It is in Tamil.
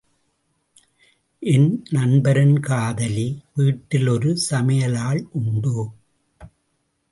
என் நண்பரின் காதலி வீட்டில் ஒரு சமையல் ஆள் உண்டு.